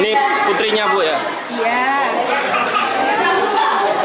ini putrinya bu ya